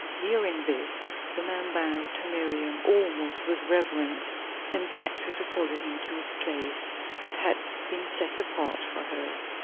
Hearing this, the man bowed to Miriam, almost with reverence, and begged her to follow him to a place that had been set apart for her.